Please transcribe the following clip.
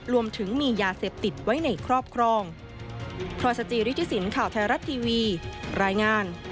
รวมถึงมียาเสพติดไว้ในครอบครอง